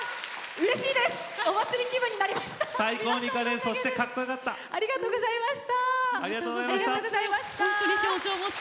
うれしいです。